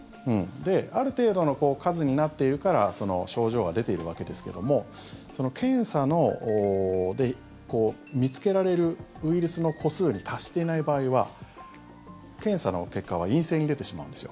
ある程度の数になっているから症状が出ているわけですけども検査で見つけられるウイルスの個数に達していない場合は検査の結果は陰性に出てしまうんですよ。